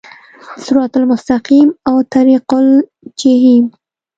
د صراط المستقیم او طریق الجحیم